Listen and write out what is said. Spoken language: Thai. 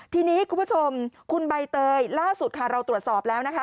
ทีนี้คุณผู้ชมคุณใบเตยล่าสุดค่ะเราตรวจสอบแล้วนะคะ